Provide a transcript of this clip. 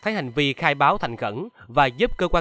hành vi phạm tội